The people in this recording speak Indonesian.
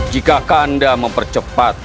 jika kanda mempercepat